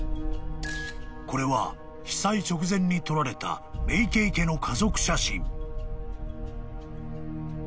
［これは被災直前に撮られた明景家の家族写真］